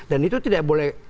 dan itu tidak boleh